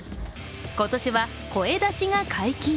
今年は、声出しが解禁。